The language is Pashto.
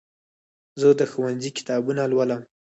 زه د ښوونځي کتابونه لولم.